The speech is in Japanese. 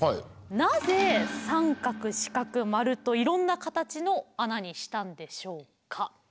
なぜ三角四角丸といろんな形の穴にしたんでしょうか？